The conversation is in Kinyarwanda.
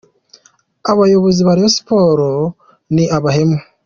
Abayobozi ba Rayon Sports ni abahemu’.